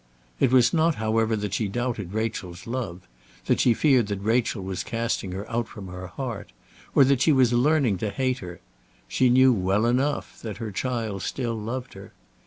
It was not, however, that she doubted Rachel's love, that she feared that Rachel was casting her out from her heart, or that she was learning to hate her. She knew well enough that her child still loved her.